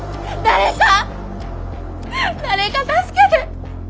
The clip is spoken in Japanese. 誰か助けて！